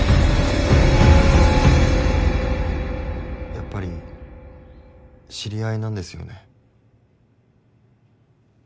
やっぱり知り合いなんですよね？